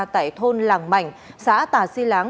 tại thôn làng mảnh xã tà si láng